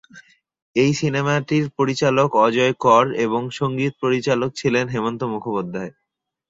এই সিনেমাটির পরিচালক অজয় কর এবং সংগীত পরিচালক ছিলেন হেমন্ত মুখোপাধ্যায়।